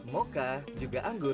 mocha juga anggur